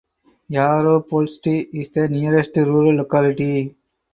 Yaropoltsy is the nearest rural locality.